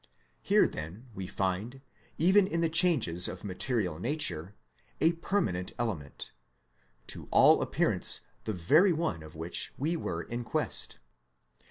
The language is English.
Here then we find, even in the changes of material nature, a perma nent element; to all appearance the very one of which we were in quest.